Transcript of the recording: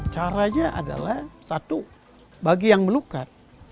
caranya adalah satu bagi yang melukat